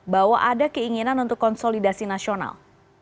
bahwa ada keinginan untuk konsolidasi nasional